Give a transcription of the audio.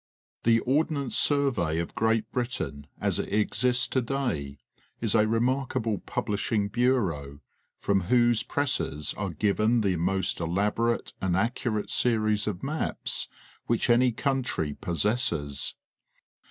UL, The Ordnance Survey of Great Britain as it exists to day is a remarkable Publishing Bureau, from whose presses are given the most elaborate and accurate series of maps which any country possesses.